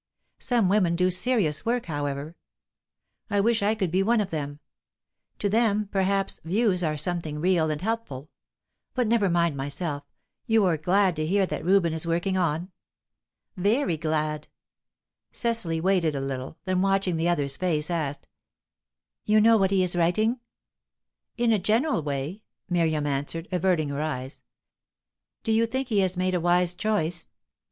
Some women do serious work, however; I wish I could be one of them. To them, perhaps, 'views' are something real and helpful. But never mind myself; you were glad to hear that Reuben is working on?" "Very glad." Cecily waited a little; then, watching the other's face, asked: "You know what he is writing?" "In a general way," Miriam answered, averting her eyes. "Do you think he has made a wise choice?"